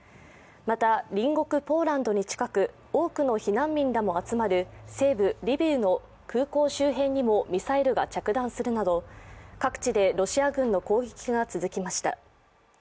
また、隣国ポーランドに近く多くの避難民らも集まる西部リビウの空港周辺にもミサイルが着弾するなど各地でロシア軍の攻撃が続きました。